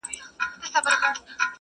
پوهنتون د میني ولوله بس یاره-